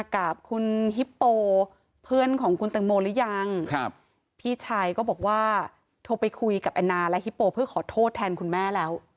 กับคุณฮิปโปเพื่อนของคุณตังโมหรือยังครับพี่ชายก็บอกว่าโทรไปคุยกับแอนนาและฮิปโปเพื่อขอโทษแทนคุณแม่แล้ว